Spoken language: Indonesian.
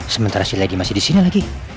sementara si lady masih disini lagi